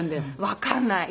わかんない。